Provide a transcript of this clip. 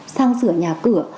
sang sửa nhà cửa